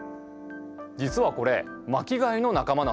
実はこれ巻き貝の仲間なんです。